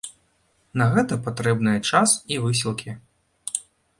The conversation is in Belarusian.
На гэта патрэбныя час і высілкі.